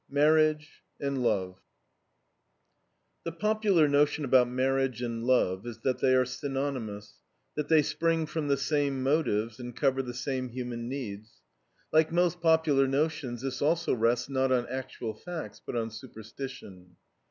MARRIAGE AND LOVE The popular notion about marriage and love is that they are synonymous, that they spring from the same motives, and cover the same human needs. Like most popular notions this also rests not on actual facts, but on superstition.